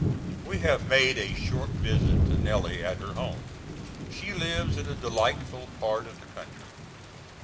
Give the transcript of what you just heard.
We have made a short visit to Nellie at her home. She lives in a delightful part of the country.